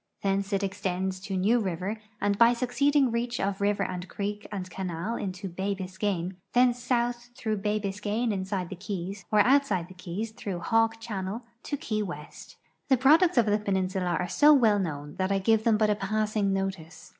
Thence it extends to New river and by succeeding reach of river and creek and canal into bay Biscayne ; thence south through bay Biscayne inside the keys, or outside the keys through Hawk channel to Key M'est. J'he products of the peninsula are so well known that I give them but a passing notice.